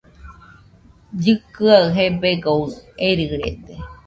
Llɨkɨaɨ gebegoɨ erɨrede.